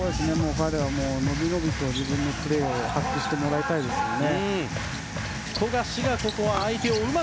彼はもうのびのびと自分のプレーを発揮してもらいたいですね。